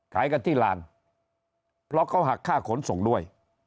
ขายกันที่ลานเพราะเขาหักค่าขนส่งด้วย